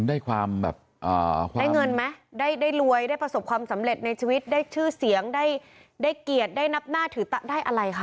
ได้ความแบบได้เงินไหมได้รวยได้ประสบความสำเร็จในชีวิตได้ชื่อเสียงได้เกียรติได้นับหน้าถือได้อะไรคะ